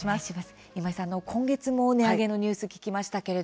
今月も値上げのニュースを聞きました。